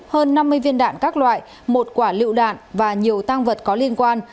hơn năm mươi viên đạn các loại một quả lựu đạn và nhiều tăng vật có liên quan